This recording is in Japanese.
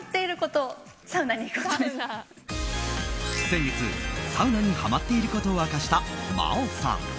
先月、サウナにハマっていることを明かした真央さん。